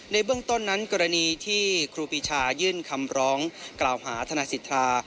ในเบื้องต้นนั้นกรณีที่ครูปีชายื่นคำร้องกล่าวหาธนายสิทธา